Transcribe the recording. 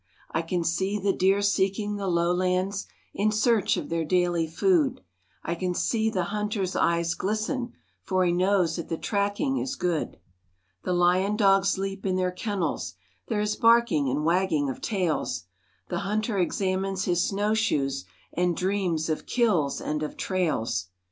I can see the deer seeking the low lands, In search of their daily food, I can see the hunter's eyes glisten, For he knows that the tracking is good. The lion dogs leap in their kennels, There is barking and wagging of tails, The hunter examines his snow shoes, And dreams of "kills" and of trails.